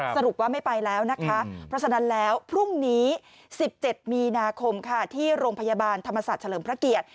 สรุปว่าไม่ไปแล้วนะคะเพราะฉะนั้นแล้วพรุ่งนี้๑๗มีนาคมค่ะที่โรงพยาบาลธรรมศาสตร์เฉลิมพระเกียรติ